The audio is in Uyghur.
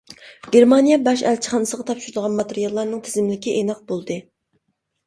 گېرمانىيە باش ئەلچىخانىسىغا تاپشۇرىدىغان ماتېرىياللارنىڭ تىزىملىكى ئېنىق بولدى.